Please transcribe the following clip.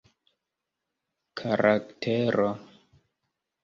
karaktero